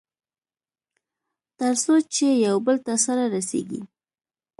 تر څو چې يوبل ته سره رسېږي.